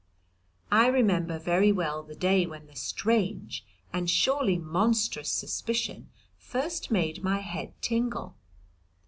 I remember very well the day when the strange, and surely monstrous, suspicion first made my head tingle.